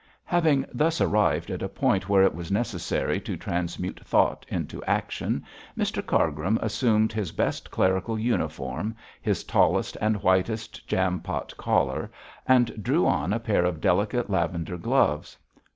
Having thus arrived at a point where it was necessary to transmute thought into action, Mr Cargrim assumed his best clerical uniform, his tallest and whitest jam pot collar, and drew on a pair of delicate lavender gloves.